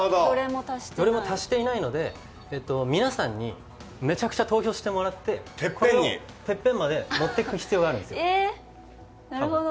どれも達していないので皆さんにむちゃくちゃ投票してもらってこれをテッペンまで持っていく必要があるんですよ、たぶん。